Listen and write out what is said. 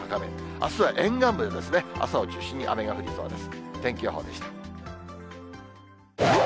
あすは沿岸部で、朝を中心に雨が降りそうです。